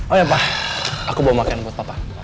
oh iya pak aku bawa makan buat papa